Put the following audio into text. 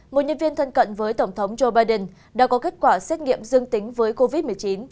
một nhân viên thân cận với tổng thống joe biden đã có kết quả xét nghiệm dương tính với covid một mươi chín